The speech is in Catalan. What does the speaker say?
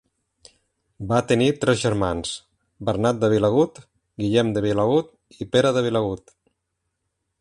Va tenir tres germans, Bernat de Vilagut, Guillem de Vilagut i Pere de Vilagut.